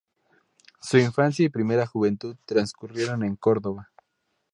Su infancia y primera juventud transcurrieron en Córdoba.